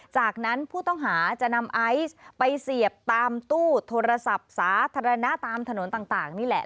จากนั้นผู้ต้องหาจะนำไอซ์ไปเสียบตามตู้โทรศัพท์สาธารณะตามถนนต่างนี่แหละ